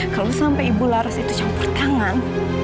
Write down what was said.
kalau sampai ibu laras itu campur tangan